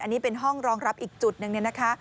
อันนี้เป็นห้องรองรับอีกจุดหนึ่งค่ะ